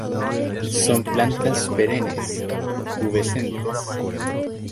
Son plantas perennes, pubescentes.